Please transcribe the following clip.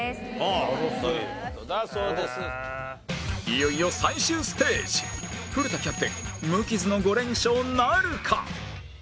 いよいよ最終ステージ古田キャプテン無傷の５連勝なるか？